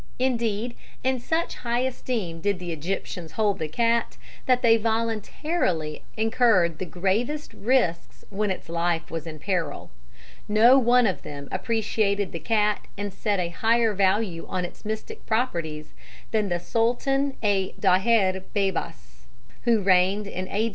Indeed, in such high esteem did the Egyptians hold the cat, that they voluntarily incurred the gravest risks when its life was in peril. No one of them appreciated the cat and set a higher value on its mystic properties than the Sultan El Daher Beybas, who reigned in A.